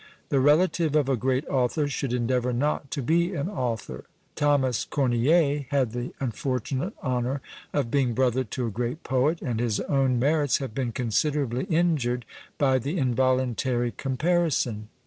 The relative of a great author should endeavour not to be an author. Thomas Corneille had the unfortunate honour of being brother to a great poet, and his own merits have been considerably injured by the involuntary comparison.